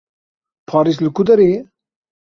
Parîs li ku derê ye?